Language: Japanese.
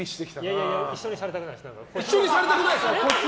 いやいや一緒にされたくないです。